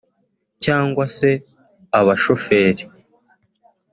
cyangwa se abashoferi